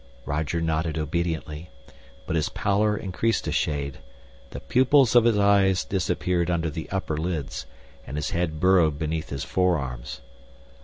Roger nodded obediently. But his pallor increased a shade, the pupils of his eyes disappeared under the upper lids, and his head burrowed beneath his forearms.